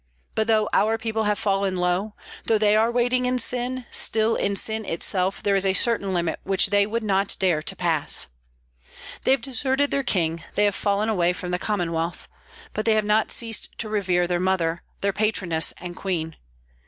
But though our people have fallen low, though they are wading in sin, still in sin itself there is a certain limit which they would not dare to pass. They have deserted their king, they have fallen away from the Commonwealth; but they have not ceased to revere their Mother, their Patroness and Queen.